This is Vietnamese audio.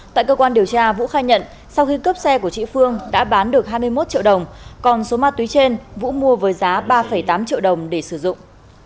tại cơ quan điều tra vũ khai nhận sau khi cướp xe của chị phương đã bán được hai mươi một triệu đồng còn số ma túy trên vũ mua với giá ba tám triệu đồng để sử dụng